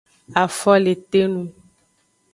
Afo le te nung.